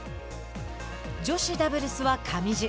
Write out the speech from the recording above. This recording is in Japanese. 女子ダブルスは上地。